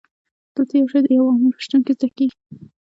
دلته یو شی د یو عامل په شتون کې زده کیږي.